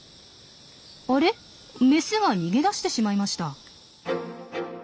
あれメスが逃げ出してしまいました。